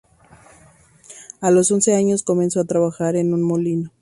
A los once años comenzó a trabajar en un molino.